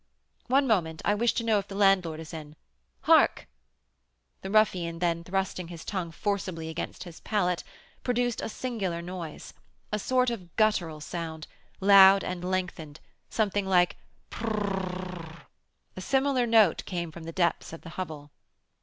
"One moment, I wish to know if the landlord is in. Hark!" The ruffian then, thrusting his tongue forcibly against his palate, produced a singular noise, a sort of guttural sound, loud and lengthened, something like P r r r r r r r!!! A similar note came from the depths of the hovel.